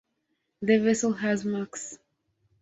The vessel has max.